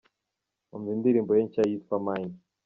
Umva indirimbo ye nshya yitwa "Mine".